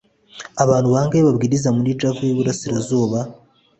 abantu bangahe babwiriza muri Java y i Burasirazuba